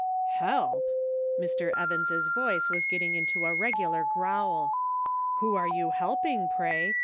" Help !" Mr. Evans' voice was getting into a regular growl. " Who are you helping, pray?